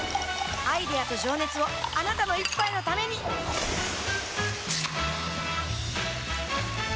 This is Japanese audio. アイデアと情熱をあなたの一杯のためにプシュッ！